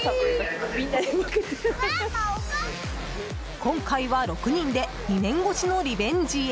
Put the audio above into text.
今回は６人で２年越しのリベンジへ。